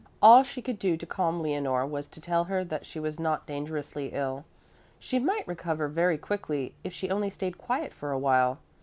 All she could do to calm Leonore was to tell her that she was not dangerously ill. She might recover very quickly if she only stayed quiet for a while.